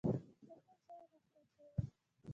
ته کوم شیان اختر کوې؟